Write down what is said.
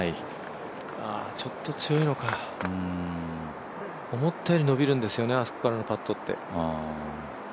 ちょっと強いのか思ったより伸びるんですよね、あそこからのパットって。